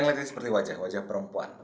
saya lihat ini seperti wajah wajah perempuan